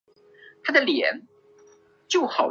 最早的黑奴贸易出现在中世纪及之前。